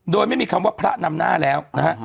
โดยไม่มีคำว่าพระนำหน้าแล้วนะฮะ